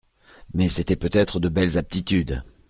Mais c'étaient peut-être de belles aptitudes.